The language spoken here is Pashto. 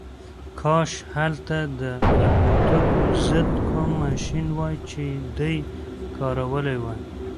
کاش هلته د الوتکو ضد کوم ماشین وای چې دی کارولی وای